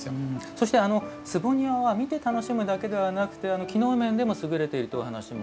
そして坪庭は見て楽しむだけではなくて機能面でも優れているというお話も。